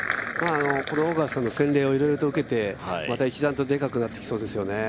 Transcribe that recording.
このオーガスタの洗礼をいろいろと受けて、また一段とデカくなってきそうですね。